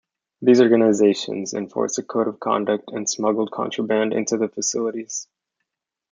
These organizations enforced a code of conduct and smuggled contraband into the facilities.